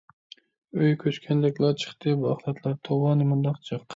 ئۆي كۆچكەندەكلا چىقتى بۇ ئەخلەتلەر. توۋا نېمانداق جىق!